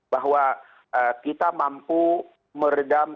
bahwa kita mampu meredam